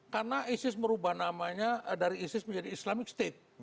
karena isis merubah namanya dari isis menjadi islamic state